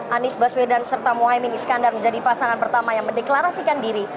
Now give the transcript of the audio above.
anies baswedan serta mohaimin iskandar menjadi pasangan pertama yang mendeklarasikan diri